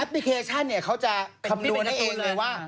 แอปพลิเคชันเนี่ยเขาจะคำนวณให้เองเลยว่า